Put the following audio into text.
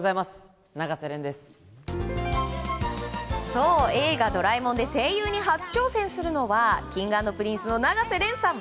そう「映画ドラえもん」で声優に初挑戦するのはＫｉｎｇ＆Ｐｒｉｎｃｅの永瀬廉さん。